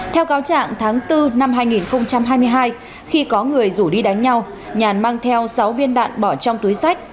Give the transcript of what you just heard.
theo cáo trạng tháng bốn năm hai nghìn hai mươi hai khi có người rủ đi đánh nhau nhàn mang theo sáu viên đạn bỏ trong túi sách